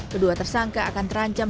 kedua tersangka akan terancam